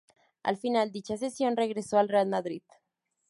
Al finalizar dicha cesión regresó al Real Madrid.